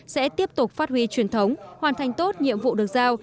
sẽ tiếp tục phát huy truyền thống hoàn thành tốt nhiệm vụ được giao